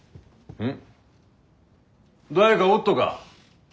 うん？